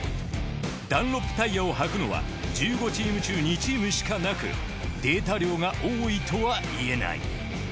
ダンロップタイヤを履くのは１５チーム中２チームしかなくデータ量が多いとは言えない。